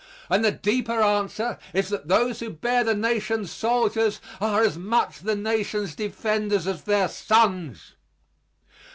And the deeper answer is that those who bear the Nation's soldiers are as much the Nation's defenders as their sons.